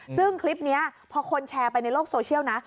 ซึ่งคลิปนี้พอคนแชร์ไปในโลกโซเชียลนะ